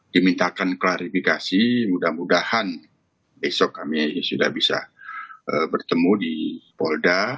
dimintakan klarifikasi mudah mudahan besok kami sudah bisa bertemu di polda